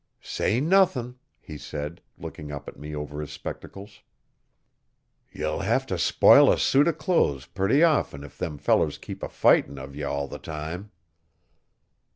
'Say nothin',' he said, looking up at me over his spectacles. 'Ye'll hev t' spile a suit o' clothes purty often if them fellers keep a fightin' uv ye all the time.'